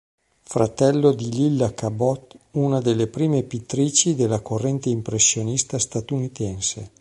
Fratello di Lilla Cabot, una delle prime pittrici della corrente impressionista statunitense.